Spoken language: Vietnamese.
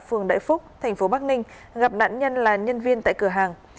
phường đại phúc thành phố bắc ninh gặp nạn nhân là nhân viên tại cửa hàng